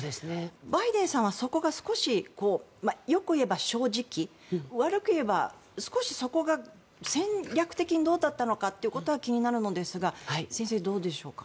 バイデンさんはそこが少しよく言えば正直悪く言えば、少しそこが戦略的にどうだったのかということは気になるのですが先生、どうでしょうか？